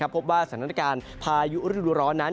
พบว่าสถานการณ์พายุฤดูร้อนนั้น